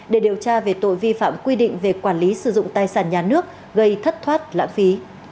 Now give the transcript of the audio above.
để điều tra về tội vi phạm quy định về quản lý sử dụng tài sản nhà nước gây thất thoát lãng phí